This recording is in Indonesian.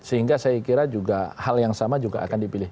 sehingga saya kira juga hal yang sama juga akan dipilih